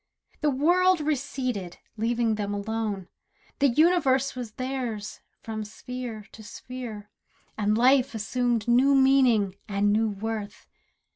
The world receded, leaving them alone. The universe was theirs, from sphere to sphere, And life assumed new meaning, and new worth.